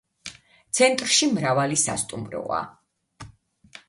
ცენტრში მრავალი სასტუმროა.